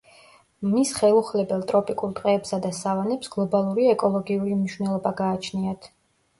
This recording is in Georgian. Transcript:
მის ხელუხლებელ ტროპიკულ ტყეებსა და სავანებს გლობალური ეკოლოგიური მნიშვნელობა გააჩნიათ.